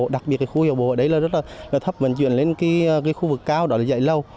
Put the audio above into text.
đặc biệt là khu hiệu bộ ở đấy rất là thấp vận chuyển lên khu vực cao đó là dạy lâu